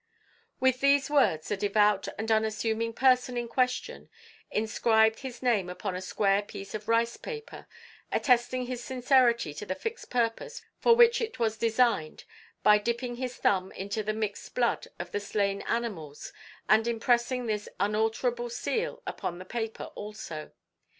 With these words the devout and unassuming person in question inscribed his name upon a square piece of rice paper, attesting his sincerity to the fixed purpose for which it was designed by dipping his thumb into the mixed blood of the slain animals and impressing this unalterable seal upon the paper also.